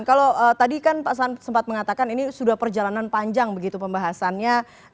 kalau tadi kan pak sempat mengatakan ini sudah perjalanan panjang begitu pembahasannya